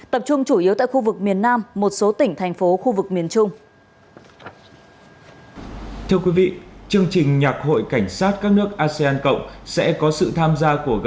tập trung chủ yếu tại khu vực miền nam một số tỉnh thành phố khu vực miền trung